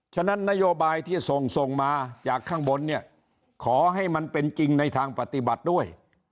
ฉะนั้นนโยบายที่ส่งส่งมาจากข้างบนเนี่ยขอให้มันเป็นจริงในทางปฏิบัติด้วย